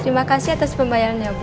terima kasih atas pembayarannya bu